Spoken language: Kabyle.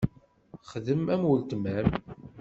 Xdem am uletma-m.